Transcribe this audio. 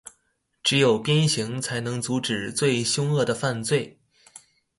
只有鞭刑才能阻止最兇惡的犯罪